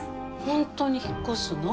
本当に引っ越すの？